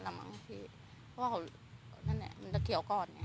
เพราะว่าเขานั่นเนี่ยมันจะเขียวก่อนเนี่ย